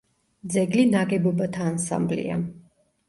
ძეგლი ნაგებობათა ანსამბლია.